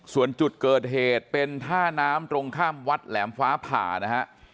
ส่วนจุดเกิดเหตุเป็นท่าน้ำตรงข้ามวัดแหลมฟ้าผ่านะฮะ